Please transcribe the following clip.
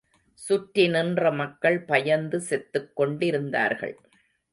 சுற்றி நின்ற மக்கள் பயந்து செத்துக் கொண்டிருந்தார்கள்.